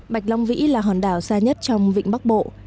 bạch long vĩ là hòn đảo xa nhất trong vịnh bắc bộ